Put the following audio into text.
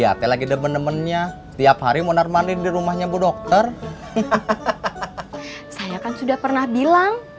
hati lagi demen demennya tiap hari mendarmani dirumahnya bu dokter saya kan sudah pernah bilang